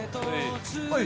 はい！